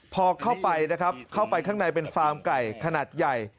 พอเข้าไปนะครับเข้าไปข้างในเป็นฟาร์มไก่ขนาดใหญ่